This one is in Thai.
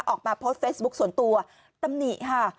ออกมาโพสต์เฟซบุ๊คส่วนตัวตำหนิค่ะ